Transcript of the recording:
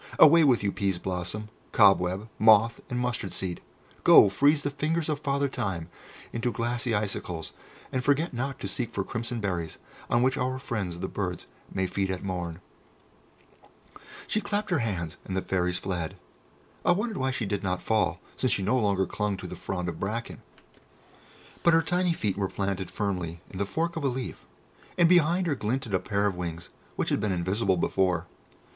Away with you, Peas blossom, Cobweb, Moth, and Mustard seed! Go, freeze the fingers of Father Time into glassy icicles, and forget not to seek for crimson berries on which our friends the birds may feed at morn!" [Illustration: I fancied that I had seen those wee brown men] She clapped her hands, and the Fairies fled. I wondered why she did not fall, since she no longer clung to the frond of bracken; but her tiny feet were firmly planted in the fork of a leaf, and behind her glinted a pair of wings which had been invisible before.